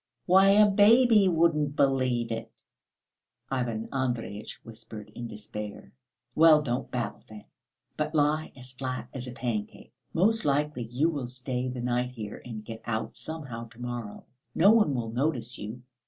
Why, a baby wouldn't believe it," Ivan Andreyitch whispered in despair. "Well, don't babble then, but lie as flat as a pancake! Most likely you will stay the night here and get out somehow to morrow; no one will notice you.